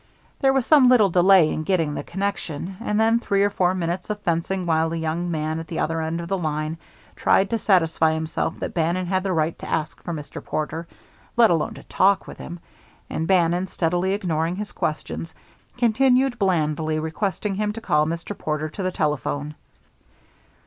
There was some little delay in getting the connection, and then three or four minutes of fencing while a young man at the other end of the line tried to satisfy himself that Bannon had the right to ask for Mr. Porter, let alone to talk with him, and Bannon, steadily ignoring his questions, continued blandly requesting him to call Mr. Porter to the telephone.